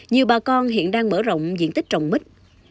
nhiều bà con hiện đang mở rộng diện tích trồng mít